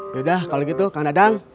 yaudah kalau begitu kang dadang